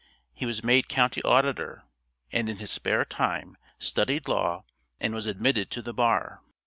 He was made County Auditor and in his spare time studied law and was admitted to the bar.